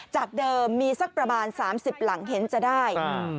จากเดิมมีสักประมาณ๓๐หลังเห็นจะได้